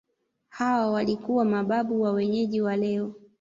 Hawa walikuwa mababu wa wenyeji wa leo.